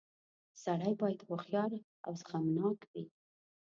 • سړی باید هوښیار او زغمناک وي.